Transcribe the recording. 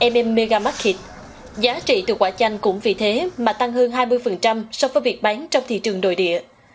mem mega market giá trị từ quả chanh cũng vì thế mà tăng hơn hai mươi so với việc bán trong thị trường đồi địa